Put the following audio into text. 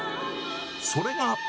それが。